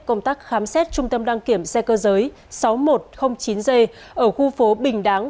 công tác khám xét trung tâm đăng kiểm xe cơ giới sáu nghìn một trăm linh chín g ở khu phố bình đáng